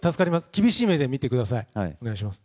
厳しい目で見てください、お願いします。